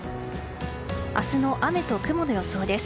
明日の雨と雲の予想です。